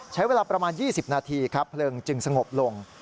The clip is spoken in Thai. ใช้เวลาประมาณ๒๐นาทีครับเพลิงจึงสงบลง